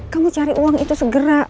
kamu cari uang itu segera